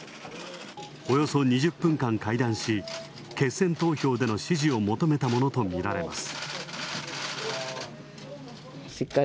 およそ２０分間、会談し、決選投票での支持を求めたものとみられます。